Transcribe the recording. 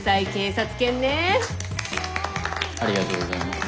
ありがとうございます。